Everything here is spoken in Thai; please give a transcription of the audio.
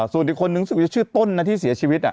ศูนย์อีกคนนึงเชื่องงชื่อต้นที่เสียชีวิต